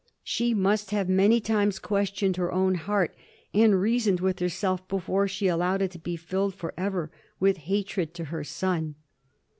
She must have many times questioned her own heart and rea soned with herself before she allowed it to be filled for ever with hatred to her son.